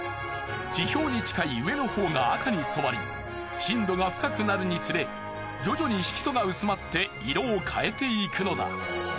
地表に近い上のほうが赤に染まり深度が深くなるにつれ徐々に色素が薄まって色を変えていくのだ。